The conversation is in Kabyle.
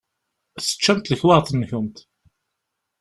Teččamt lekwaɣeḍ-nwent